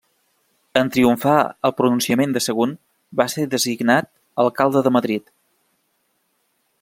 En triomfar el pronunciament de Sagunt va ser designat alcalde de Madrid.